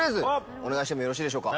お願いしてもよろしいでしょうか。